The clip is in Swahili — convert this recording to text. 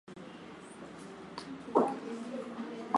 za Amerika ya Kusini zilikuwa zikifaulu kupata uhuru kutoka